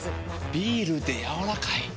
ビールでやわらかい。